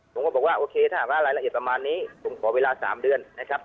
ผมก็บอกว่าโอเคถ้าหากว่ารายละเอียดประมาณนี้ผมขอเวลา๓เดือนนะครับ